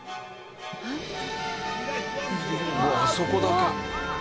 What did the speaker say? うわあそこだけ。